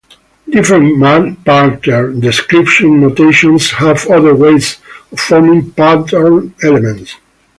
Different pattern description notations have other ways of forming pattern elements.